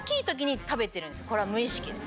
これは無意識に。